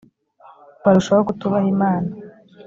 barushaho kutubaha imana